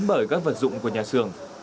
bởi các vật dụng của nhà sường